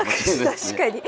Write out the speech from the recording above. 確かに。